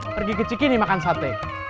pergi ke ciki nih makan sate